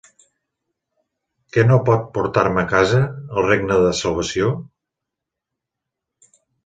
Que no pot portar-me a casa, el regne de salvació?